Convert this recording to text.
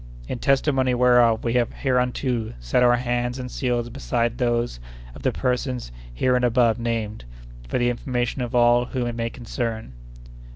In testimony whereof, we have hereunto set our hands and seals beside those of the persons hereinabove named, for the information of all whom it may concern.